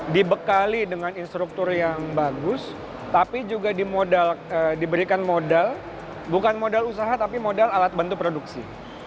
dibekali dengan instruktur yang bagus tapi juga diberikan modal bukan modal usaha tapi modal alat bantu produksi